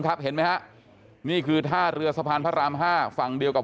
เห็นไหมฮะนี่คือท่าเรือสะพานพระรามห้าฝั่งเดียวกับ